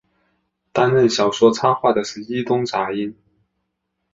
担任小说插画的是伊东杂音。